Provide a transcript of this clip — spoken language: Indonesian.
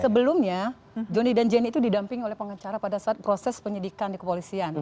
sebelumnya johnny dan jenny itu didampingi oleh pengacara pada saat proses penyidikan di kepolisian